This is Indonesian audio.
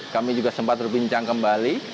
kami juga sempat berbincang kembali